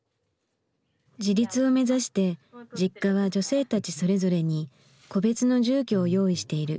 自立を目指してＪｉｋｋａは女性たちそれぞれに個別の住居を用意している。